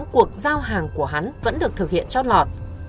cuộc giao hàng của hắn vẫn được thực hiện chót lọt